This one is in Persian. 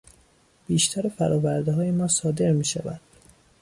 بیشتر فرآوردههای ما صادر میشود.